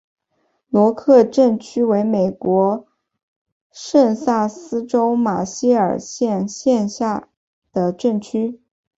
罗克镇区为美国堪萨斯州马歇尔县辖下的镇区。